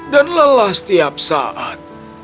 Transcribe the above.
dan lelah setiap saat